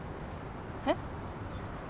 えっ？